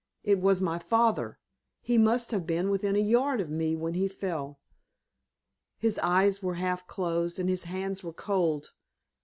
It was my father. He must have been within a yard of me when he fell. His eyes were half closed, and his hands were cold.